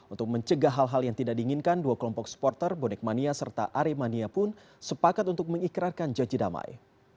untuk mencegah hal hal yang tidak diinginkan dua kelompok supporter bonek mania serta aremania pun sepakat untuk mengikrarkan janji damai